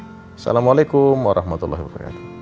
assalamualaikum warahmatullahi wabarakatuh